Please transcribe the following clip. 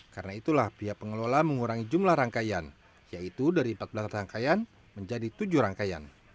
karena itulah pihak pengelola mengurangi jumlah rangkaian yaitu dari empat belas rangkaian menjadi tujuh rangkaian